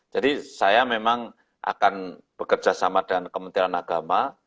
jadi saya memang akan bekerjasama dengan kementerian agama